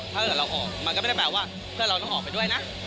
ถ้าเกิดเราออกมันก็ไม่ได้แปลว่าเพื่อนเราต้องออกไปด้วยนะ